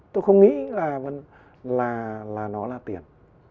tôi không nghĩ là nó là tiền